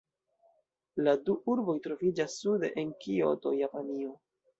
La du urboj troviĝas sude de Kioto, Japanio.